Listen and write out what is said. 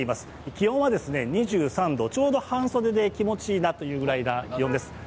気温は２３度、ちょうど半袖で気持ちいいなというくらいの気温です。